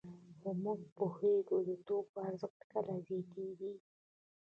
خو موږ پوهېږو د توکو ارزښت کله زیاتېږي